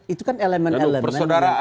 itu kan elemen elemen yang ada di dalamnya